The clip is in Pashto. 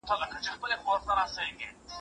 مينه د انسانانو اړیکه ده.